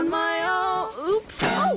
うっ！